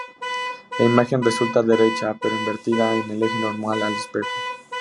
La imagen resulta derecha pero invertida en el eje normal al espejo.